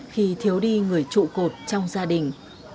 khi thiếu đi người trụ cột trong gia đình